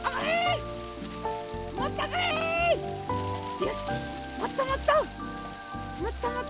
よしもっともっと！